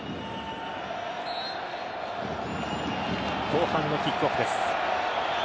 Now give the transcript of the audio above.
後半のキックオフです。